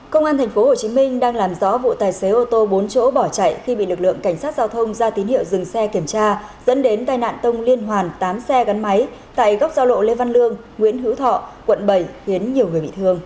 công an tp hcm đang làm rõ vụ tài xế ô tô bốn chỗ bỏ chạy khi bị lực lượng cảnh sát giao thông ra tín hiệu dừng xe kiểm tra dẫn đến tai nạn tông liên hoàn tám xe gắn máy tại góc giao lộ lê văn lương nguyễn hữu thọ quận bảy khiến nhiều người bị thương